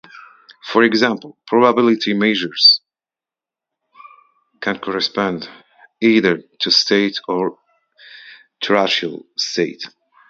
For example, probability measures can correspond either to states or tracial states.